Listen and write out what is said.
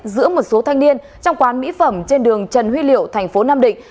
giữa một số thanh niên trong quán mỹ phẩm trên đường trần huy liệu thành phố nam định